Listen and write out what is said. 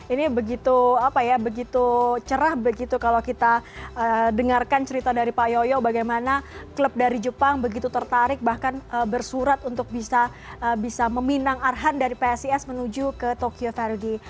ini begitu cerah begitu kalau kita dengarkan cerita dari pak yoyo bagaimana klub dari jepang begitu tertarik bahkan bersurat untuk bisa meminang arhan dari psis menuju ke tokyo verde